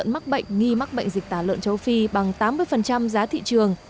đàn lợn mắc bệnh nghi mắc bệnh dịch tả lợn châu phi bằng tám mươi giá thị trường